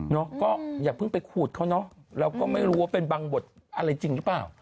ก็อย่าเพิ่งไปขูดเขาเนอะเราก็ไม่รู้ว่าเป็นบางบทอะไรจริงหรือเปล่า